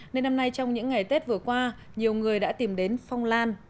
nên năm nay trong những ngày tết vừa qua nhiều người đã tìm đến phong lan